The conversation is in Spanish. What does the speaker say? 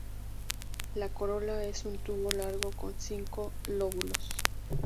La corola es un tubo largo con cinco lóbulos.